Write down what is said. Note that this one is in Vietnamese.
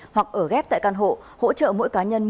hoặc ở ghép tại căn hộ hỗ trợ mỗi cá nhân